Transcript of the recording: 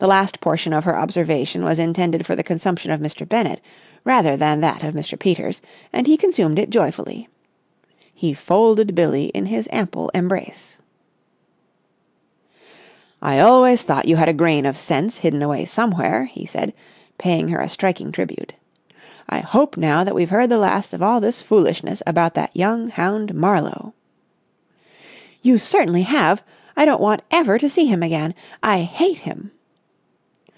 The last portion of her observation was intended for the consumption of Mr. Bennett, rather than that of Mr. Peters, and he consumed it joyfully. He folded Billie in his ample embrace. "I always thought you had a grain of sense hidden away somewhere," he said, paying her a striking tribute. "I hope now that we've heard the last of all this foolishness about that young hound Marlowe." "You certainly have! I don't want ever to see him again! I hate him!"